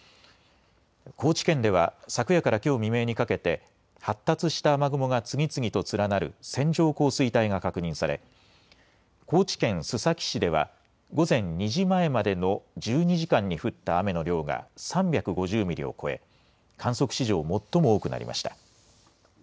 高知県では昨夜からきょう未明にかけて発達した雨雲が次々と連なる線状降水帯が確認され高知県須崎市では午前２時前までの１２時間に降った雨の量が３５０ミリを超え観測史上、最も多くなりました。